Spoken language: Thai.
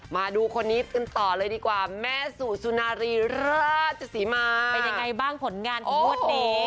มาดูคนนี้กันต่อเลยดีกว่าแม่สู่สุนารีราชสีมาเป็นยังไงบ้างผลงานของงวดนี้